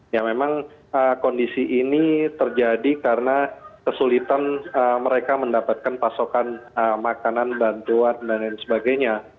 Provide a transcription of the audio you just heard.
ya memang kondisi ini terjadi karena kesulitan mereka mendapatkan pasokan makanan bantuan dan lain sebagainya